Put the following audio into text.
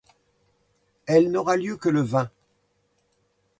Elle n’aura lieu que le vingt.